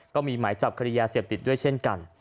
ก็มีหมายจับคดียาเสพติดด้วยเช่นกัน